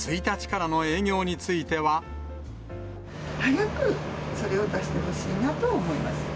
早くそれを出してほしいなと思います。